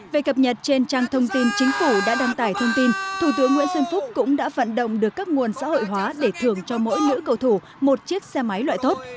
về cập nhật trên trang thông tin chính phủ đã đăng tải thông tin thủ tướng nguyễn xuân phúc cũng đã vận động được các nguồn xã hội hóa để thưởng cho mỗi nữ cầu thủ một chiếc xe máy loại thốt